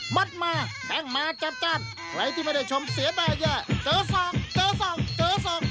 มัดมาแท่งมาจับจับใครที่ไม่ได้ชมเสียได้เจ๋อส่องเจ๋อส่องเจ๋อส่อง